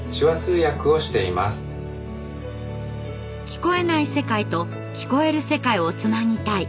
聞こえない世界と聞こえる世界をつなぎたい。